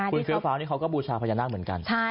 คุณเสื้อฟ้านี่เขาก็บูชาพญานาคเหมือนกัน